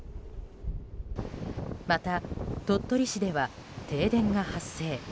また、鳥取市では停電が発生。